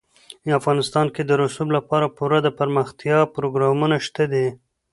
افغانستان کې د رسوب لپاره پوره دپرمختیا پروګرامونه شته دي.